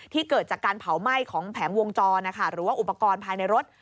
เกิดจากการเผาไหม้ของแผงวงจรหรือว่าอุปกรณ์ภายในรถ